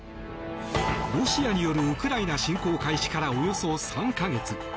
ロシアによるウクライナ侵攻開始からおよそ３か月。